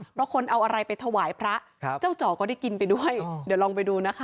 เพราะคนเอาอะไรไปถวายพระเจ้าจ่อก็ได้กินไปด้วยเดี๋ยวลองไปดูนะคะ